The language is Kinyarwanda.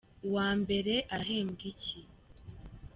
Uwambere arahebwa iki?